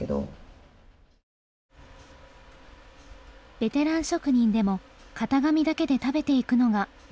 ベテラン職人でも型紙だけで食べていくのが難しい時代。